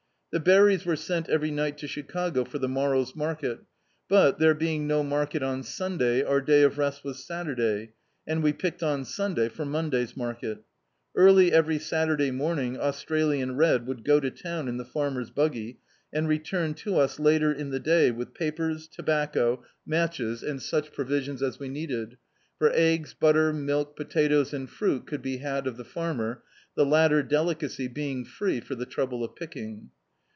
The berries were sent every ni^t to Chicago for the morrow's market; but, there be ing no market on Sunday our day of rest was Satur day, and we picked on Sunday for Mondajr's market. Eaxlj every Saturday moming Australian Red would go to town in the farmer's bu^y, and return to us later in the day with papers, tobacco, matches, and D,i.,.db, Google The Autobiography of a Super Tramp such provisions as wc needed; for ^gs, butter, milk, potatoes and fruit could be had of the farmer, the latter delicacy being free for the trouble of picking.